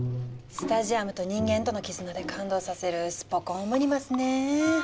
スタジアムと人間との絆で感動させるスポ根オムニバスねぇ。